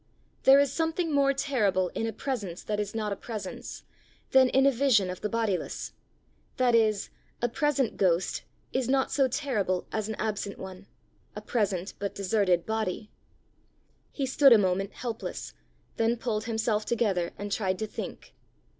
There is something more terrible in a presence that is not a presence than in a vision of the bodiless; that is, a present ghost is not so terrible as an absent one, a present but deserted body. He stood a moment helpless, then pulled himself together and tried to think.